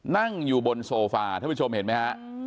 นั่งอยู่บนโซฟาที่เราชมเห็ดมั้ยฮะ